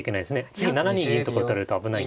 次７二銀とか打たれると危ないんで。